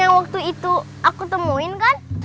yang waktu itu aku temuin kan